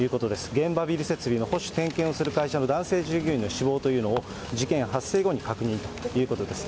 現場ビル設備の保守点検をする会社の男性従業員の死亡というのを、事件発生後に確認ということです。